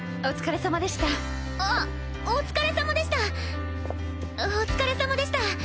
お疲れさまでした。